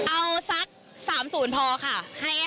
เอาสัก๓๐พอค่ะ